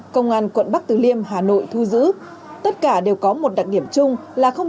công an quận bắc từ liêm hà nội thu giữ tất cả đều có một đặc điểm chung là không